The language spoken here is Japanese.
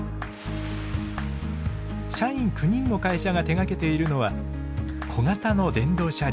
社員９人の会社が手がけているのは小型の電動車両。